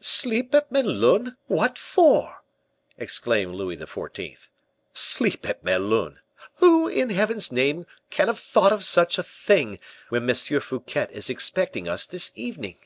"Sleep at Melun! What for?" exclaimed Louis XIV. "Sleep at Melun! Who, in Heaven's name, can have thought of such a thing, when M. Fouquet is expecting us this evening?"